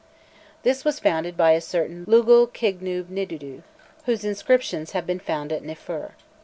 This was founded by a certain Lugal kigubnidudu, whose inscriptions have been found at Niffer.